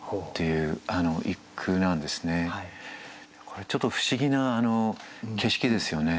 これちょっと不思議な景色ですよね。